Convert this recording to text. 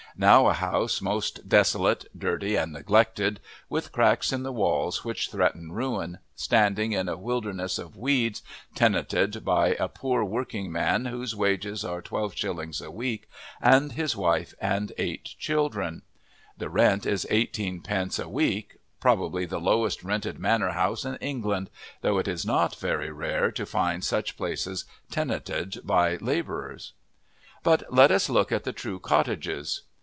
Now a house most desolate, dirty, and neglected, with cracks in the walls which threaten ruin, standing in a wilderness of weeds, tenanted by a poor working man whose wages are twelve shillings a week, and his wife and eight small children. The rent is eighteen pence a week probably the lowest rented manor house in England, though it is not very rare to find such places tenanted by labourers. But let us look at the true cottages.